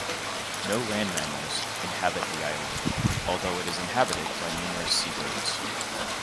No land mammals inhabit the island, although it is inhabited by numerous seabirds.